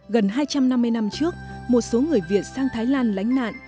gần hai trăm năm mươi năm trước một số người việt sang thái lan lánh nạn